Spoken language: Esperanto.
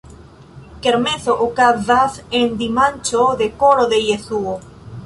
Kermeso okazas en dimanĉo de Koro de Jesuo.